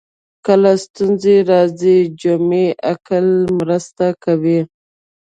کله ستونزې راځي جمعي عقل مرسته کوي